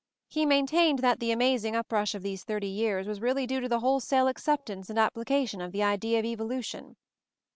He maintained that the amazing up rush of these thirty years was really due to the wholesale acceptance and application of the idea of evolution.